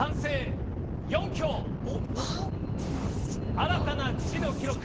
新たな「知の記録」